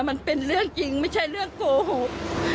มันเป็นเรื่องจริงไม่ใช่เรื่องโกหก